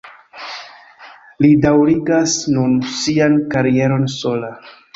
Li daŭrigas nun sian karieron sola.